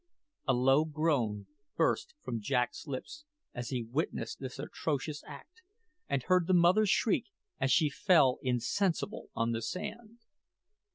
A low groan burst from Jack's lips as he witnessed this atrocious act and heard the mother's shriek as she fell insensible on the sand.